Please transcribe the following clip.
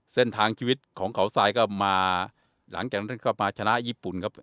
เส้นทางชีวิตของเขาทรายก็มาหลังจากนั้นก็มาชนะญี่ปุ่นครับ